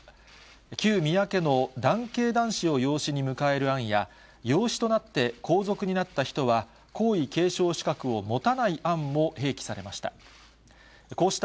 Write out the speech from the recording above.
旧宮家の男系男子を養子に迎える案や、養子となって皇族になった人は、皇位継承資格を持たない案も併記されました。